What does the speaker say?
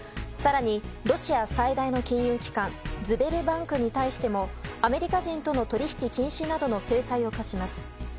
更にロシア最大の金融機関ズベルバンクに対してもアメリカ人との取引禁止などの制裁を科します。